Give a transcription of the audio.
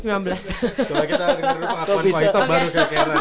kalo kita ngerti pengakuan white top baru kaya keren